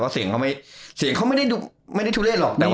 เสียงเขาไม่ได้ทุเรศหรอก